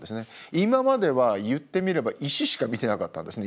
今までは言ってみれば石しか見てなかったんですね。